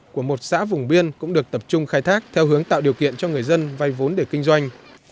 của một xã vùng biên cũng được tập trung khai thác theo hướng tạo điều kiện cho người dân vay vốn để kinh doanh